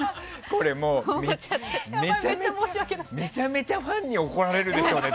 これもうめちゃめちゃファンに怒られるでしょうね。